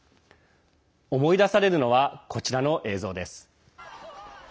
思い出されるのはこちらの映像です。